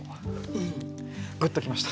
グッときました。